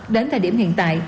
đến thời điểm hiện tại